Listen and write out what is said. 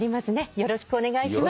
よろしくお願いします。